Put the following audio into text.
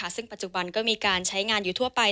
ซึ่งปัจจุบันก็มีการใช้งานอยู่ทั่วไป